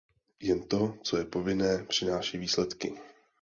Jen to, co je povinné, přináší výsledky.